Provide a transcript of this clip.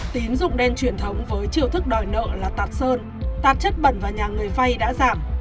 tín dụng đen truyền thống với chiều thức đòi nợ là tạt sơn tạp chất bẩn vào nhà người vay đã giảm